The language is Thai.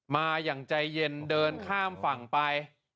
มาอย่างใจเย็นเดินข้ามฝั่งไป